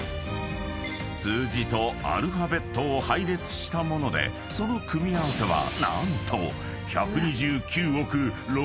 ［数字とアルファベットを配列したものでその組み合わせは何と］